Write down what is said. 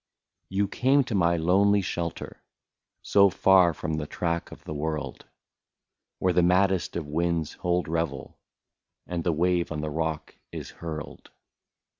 You came to my lonely shelter, So far from the track of the world, Where the maddest of winds hold revel, And the wave on the rock is hurled.